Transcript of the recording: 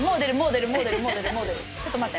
ちょっと待って。